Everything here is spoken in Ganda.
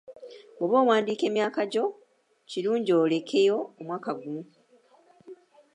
Bw’oba owandiika emyaka gyo kirungi olekeyo omwaka gumu.